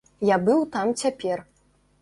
Я быў там цяпер.